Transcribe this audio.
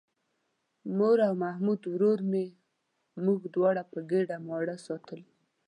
مور او محمود ورور مې موږ دواړه په ګېډه ماړه ساتلو.